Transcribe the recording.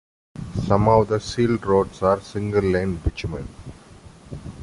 Some of the sealed roads are single lane bitumen.